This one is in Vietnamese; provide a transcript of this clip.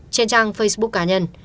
trên trang facebook cá nhân